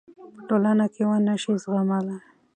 پـه ټـولـنـه کـې ونشـي زغـملـى .